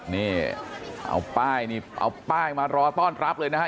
นี่เอาป้ายนี่เอาป้ายมารอต้อนรับเลยนะฮะ